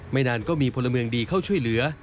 นานก็มีพลเมืองดีเข้าช่วยเหลือ